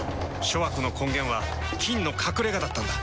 諸悪の根源は「菌の隠れ家」だったんだ。